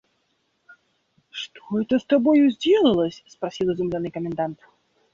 – Что это с тобою сделалось? – спросил изумленный комендант.